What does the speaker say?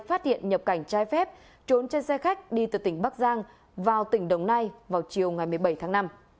phát hiện nhập cảnh trái phép trốn trên xe khách đi từ tỉnh bắc giang vào tỉnh đồng nai vào chiều ngày một mươi bảy tháng năm